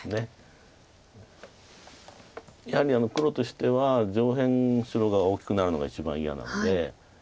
やはり黒としては上辺白が大きくなるのが一番嫌なので。